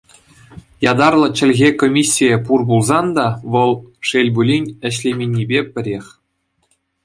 Ятарлӑ чӗлхе комиссийӗ пур пулсан та, вӑл, шел пулин, ӗҫлеменнипе пӗрех.